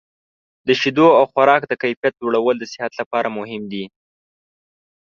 د شیدو او خوراک د کیفیت لوړول د صحت لپاره مهم دي.